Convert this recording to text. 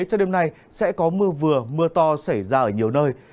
cho đêm nay sẽ có mưa vừa mưa to xảy ra ở nhiều nơi